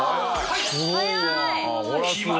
はい！